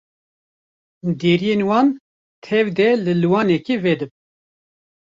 Deriyên wan tev de li lîwanekê vedibin.